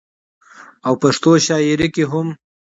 او پښتو شاعرۍ کې هم